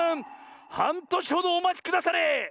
はんとしほどおまちくだされ！